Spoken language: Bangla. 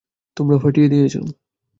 তোমরা ফাটিয়ে দিয়েছ।